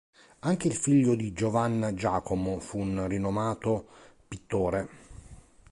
Anche il figlio Giovan Giacomo fu un rinomato pittore.